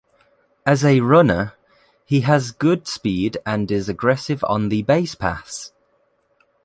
As a runner, he has good speed and is aggressive on the basepaths.